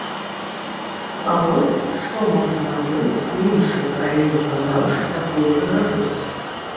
А вось, што можна набыць у іншай краіне, прадаўшы такую прыгажосць.